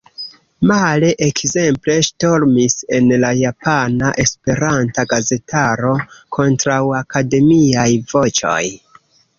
Male – ekzemple ŝtormis en la japana esperanta gazetaro kontraŭakademiaj voĉoj.